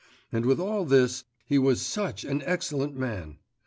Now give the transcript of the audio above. And with all this he was such an excellent man!